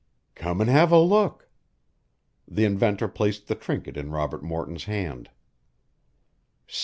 "Come an' have a look." The inventor placed the trinket in Robert Morton's hand.